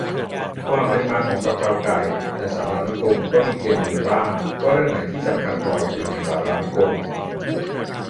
ความเป็นมาของกะเพราไก่ แต่สารานุกรมก็มีเกณฑ์อยู่บ้าง ว่าเรื่องไหนที่ "สำคัญพอ" จะอยู่ในสารานุกรม